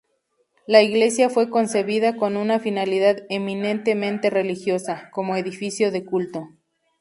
La iglesia fue concebida con una finalidad eminentemente religiosa, como edificio de culto.